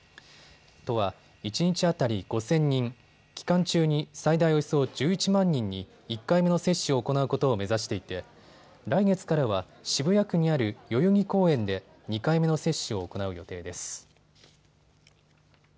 都は一日当たり５０００人、期間中に最大およそ１１万人に１回目の接種を行うことを目指していて来月からは渋谷区にある代々木公園で２回目の接種を行う予定です。